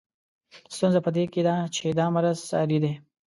ستونزه په دې کې ده چې دا مرض ساري دی.